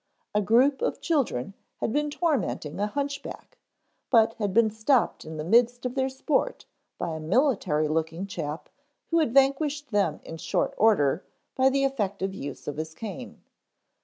A group of children had been tormenting a hunch back but had been stopped in the midst of their sport by a military looking chap who had vanquished them in short order by the effective use of his cane.